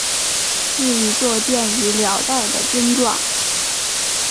是一座建于辽代的经幢。